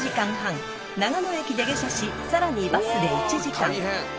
［長野駅で下車しさらにバスで１時間］